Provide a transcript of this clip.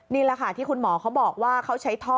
นี่แหละค่ะที่คุณหมอเขาบอกว่าเขาใช้ท่อ